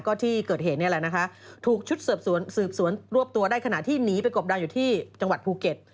ก็ที่เกิดเหตุนี่แหละนะคะถูกชุดสืบสวนสืบสวนรวบตัวได้ขณะที่หนีไปกบดานอยู่ที่จังหวัดภูเก็ต